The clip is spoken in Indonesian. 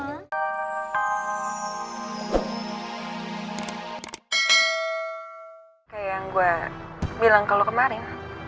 kayak yang gua bilang ke lo kemarin